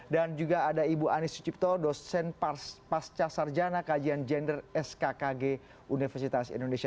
dan juga ada ibu anies sucipto dosen pasca sarjana kajian gender skkg universitas indonesia